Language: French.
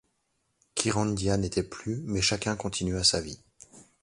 Kyrandia n'était plus, mais chacun continua sa vie.